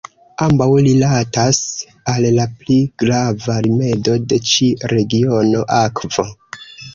Ambaŭ rilatas al la pli grava rimedo de ĉi regiono: akvo.